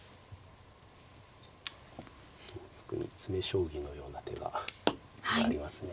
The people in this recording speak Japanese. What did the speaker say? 同玉に詰め将棋のような手が決まりますね。